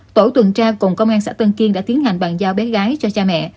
tổ tuần tra cùng công an xã tân kiên đã tiến hành bàn giao bé gái cho cha mẹ